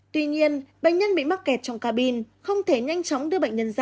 tuy nhiên bệnh nhân bị mắc kẹt trong cabin không thể nhanh chóng đưa bệnh nhân ra